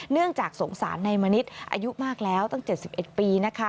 เนื่องจากสงสารนายมณิษฐ์อายุมากแล้วตั้ง๗๑ปีนะคะ